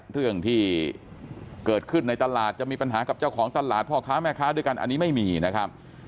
เรื่องที่เกิดขึ้นในตลาดจะมีปัญหากับเจ้าของตลาดพ่อค้าแม่ค้าด้วยกันอันนี้ไม่มีนะครับ